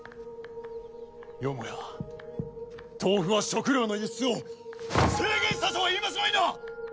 よもやトウフは食料の輸出を制限したとは言いますまいな！？